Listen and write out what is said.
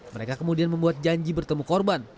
mereka kemudian membuat janji bertemu korban